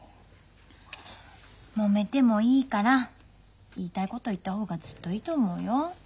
もめてもいいから言いたいこと言った方がずっといいと思うよ。